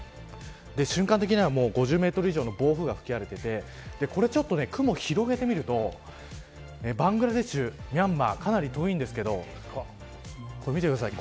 瞬間的には５０メートル以上の暴風が吹き荒れていて雲を広げてみるとバングラデシュ、ミャンマーかなり遠いんですが見てください。